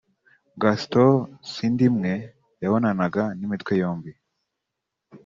Gaston Sindimwe yabonanaga n’imitwe yombi